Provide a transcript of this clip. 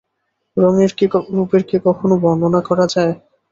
রূপের কি কখনো বর্ণনা করা যায়।